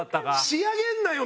仕上げんなよ！